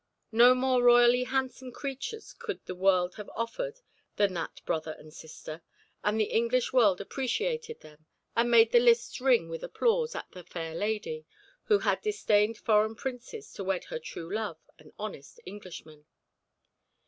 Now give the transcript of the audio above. No more royally handsome creatures could the world have offered than that brother and sister, and the English world appreciated them and made the lists ring with applause at the fair lady who had disdained foreign princes to wed her true love, an honest Englishman.